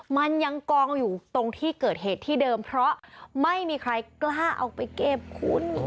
มันยังกองอยู่ตรงที่เกิดเหตุที่เดิมเพราะไม่มีใครกล้าเอาไปเก็บคุณ